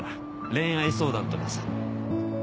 恋愛相談とかさ。